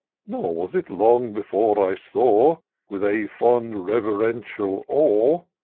Nor was it long before I saw. With a fond, reverential awe.